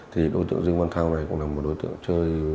thì đối tượng dũng út này cũng là một đối tượng chơi